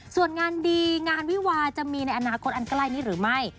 ส่วนงานดีงานวิวาจะมีในอนาคตอันใกล้นี้หรือไม่